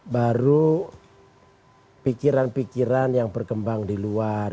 baru pikiran pikiran yang berkembang di luar